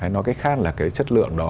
nói cách khác là chất lượng đó